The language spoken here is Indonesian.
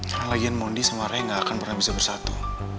karena lagian mondi sama raya nggak akan pernah bisa bersatu